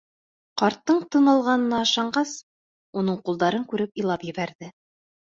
Ҡарттың тын алғанына ышанғас, уның ҡулдарын күреп, илап ебәрҙе.